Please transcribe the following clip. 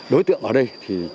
đối tượng ở đây